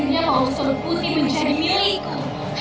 akhirnya mau sorot putih menjadi milikku